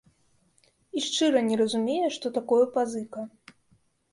І шчыра не разумее, што такое пазыка.